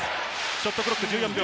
ショットクロック１４秒。